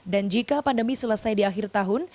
dan jika pandemi selesai di akhir tahun